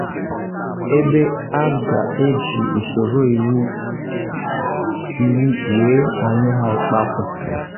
ebe a ga-eji usoro iwu wee a nyụọ ha ịkpakwụ.